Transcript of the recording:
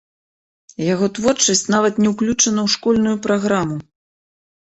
Яго творчасць нават не ўключана ў школьную праграму.